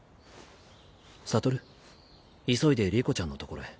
悟急いで理子ちゃんのところへ。